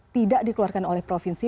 tidak dikeluarkan oleh provinsi